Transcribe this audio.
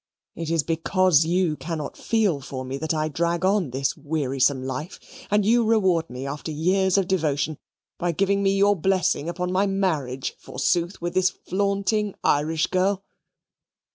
It is because you cannot feel for me that I drag on this wearisome life. And you reward me after years of devotion by giving me your blessing upon my marriage, forsooth, with this flaunting Irish girl!"